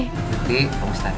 tuti ompa mustaqim